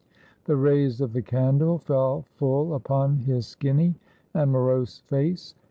The rays of the candle fell full upon his skinny and morose face.